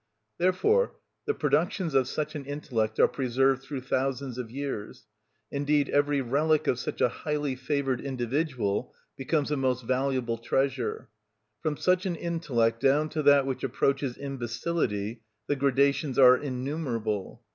Therefore the productions of such an intellect are preserved through thousands of years, indeed every relic of such a highly favoured individual becomes a most valuable treasure. From such an intellect down to that which approaches imbecility the gradations are innumerable.